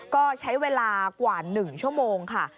ก็ใช้เวลากว่า๑ชั่วโมงค่ะ